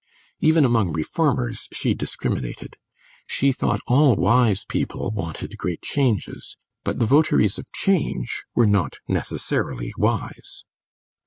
Even among reformers she discriminated; she thought all wise people wanted great changes, but the votaries of change were not necessarily wise.